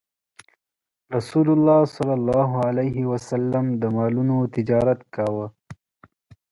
رسول الله ﷺ د مالونو تجارت کاوه.